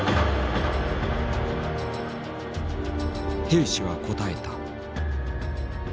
兵士は答えた。